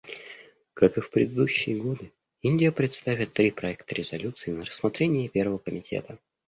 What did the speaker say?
Как и в предыдущие годы, Индия представит три проекта резолюций на рассмотрение Первого комитета.